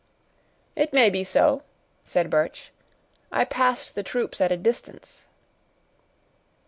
"It may be so," said Birch; "I passed the troops at a distance."